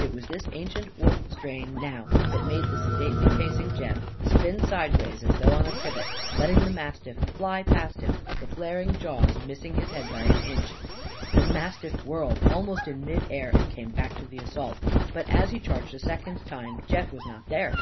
It was this ancient wolf strain, now, that made the sedately pacing Jeff spin sidewise as though on a pivot; letting the mastiff fly past him, the flaring jaws missing his head by an inch. The mastiff whirled, almost in mid air, and came back to the assault. But as he charged a second time Jeff was not there.